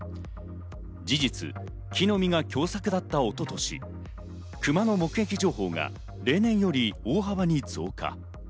事実、木の実が凶作だった一昨年、クマの目撃情報が例年より大幅に増加。